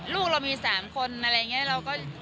ลูกเรามี๓คนอะไรอย่างนี้